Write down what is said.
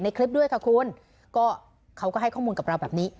เราไปเกดคลิปด้วยคะคุณก็เค้าก็ให้ข้อมูลกับเราแบบนี้